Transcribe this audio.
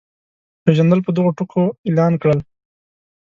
پېژندل په دغو ټکو اعلان کړل.